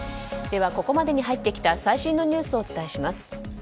では、ここまでに入ってきた最新のニュースをお伝えします。